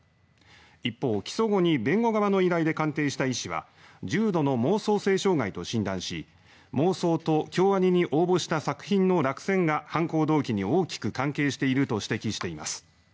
一方、起訴後に弁護側の依頼で鑑定した医師は重度の妄想性障害と診断し妄想と京アニに応募した作品の落選が犯行動機に大きく関係していると指摘しています。